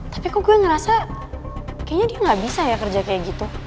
tapi kok gue ngerasa kayaknya dia nggak bisa ya kerja kayak gitu